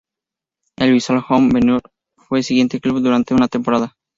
El Visual Home Benidorm fue su siguiente club durante una temporada.